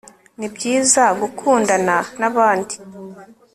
nibyiza gukundana nabandi